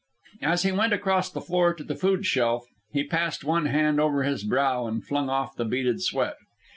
As he went across the floor to the food shelf, he passed one hand over his brow and flung off the beaded sweat.